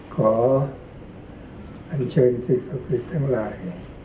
ขออัญเชิญศิษย์ศักดิ์ศักดิ์ศักดิ์ทั้งหลาย